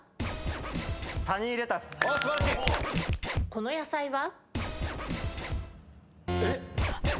この野菜は？